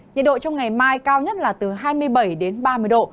nhiệt độ trong ngày mai cao nhất là từ hai mươi bảy đến ba mươi độ